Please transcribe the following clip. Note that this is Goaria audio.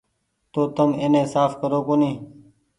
تو تم ايني ساڦ ڪرو ڪونيٚ ۔